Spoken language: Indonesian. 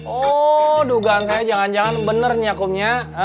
oh dugaan saya jangan jangan benar nyakumnya